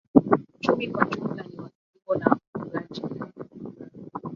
Uchumi kwa jumla ni wa kilimo na ufugaji.